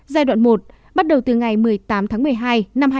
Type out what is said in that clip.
giai đoạn một bắt đầu từ ngày một mươi tám tháng một mươi hai năm hai nghìn hai mươi